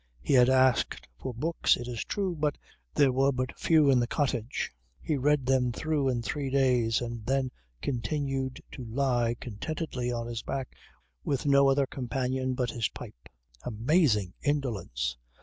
He had asked for books it is true but there were but few in the cottage. He read them through in three days and then continued to lie contentedly on his back with no other companion but his pipe. Amazing indolence!